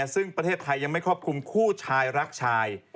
ซึ่งประเทศไทยยังไม่ครอบคลุมคู่ชายรักชาย